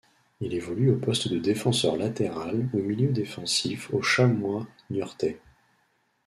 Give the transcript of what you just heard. Il évolue au poste de défenseur latéral ou milieu défensif au Chamois niortais.